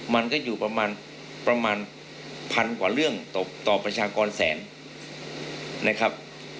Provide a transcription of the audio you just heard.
มันก็อยู่ประมาณพันกว่าเรื่องต่อประชากรแสนนะครับ